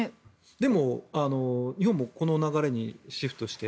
でも、日本もこの流れにシフトして。